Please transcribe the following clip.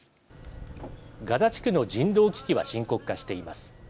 ガザ地区の人道危機は深刻化しています。